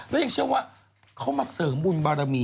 แล้วยังเชื่อว่าเขามาเสริมบุญบารมี